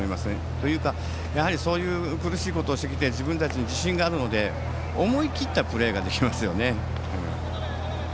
というか、やはりそういう苦しいことをしてきて自分たちに自信があるので思い切ったプレーができますよね。